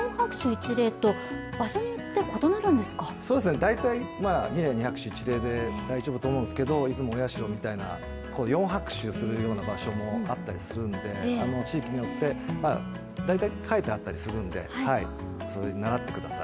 大体、ニ礼四拍手一礼で大丈夫だと思うんですけど出雲大社みたいな、四拍手したりする場所もあったりするんで、地域によって、大体書いてあったりするのでそれに倣ってください。